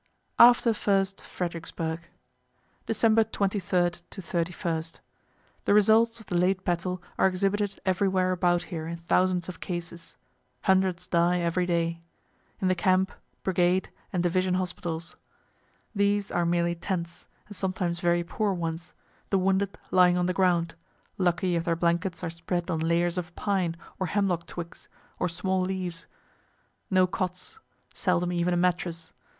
AFTER FIRST FREDERICKSBURG December 23 to 31. The results of the late battle are exhibited everywhere about here in thousands of cases, (hundreds die every day,) in the camp, brigade, and division hospitals. These are merely tents, and sometimes very poor ones, the wounded lying on the ground, lucky if their blankets are spread on layers of pine or hemlock twigs, or small leaves. No cots; seldom even a mattress.